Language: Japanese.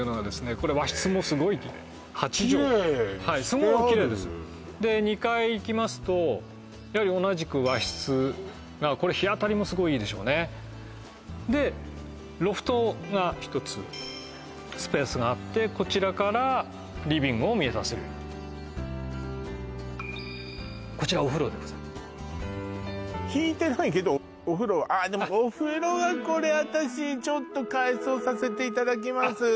これ和室もすごいきれい８畳きれいにしてあるはいすごくきれいですで２階行きますとやはり同じく和室がこれ日当たりもすごいいいでしょうねでロフトが１つスペースがあってこちらからリビングを見渡せるように引いてないけどお風呂ああでもお風呂はこれ私ちょっと改装させていただきますあっ